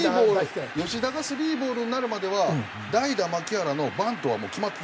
吉田がスリーボールになるまでは代打牧原のバントはもう決まってたらしいんですよ。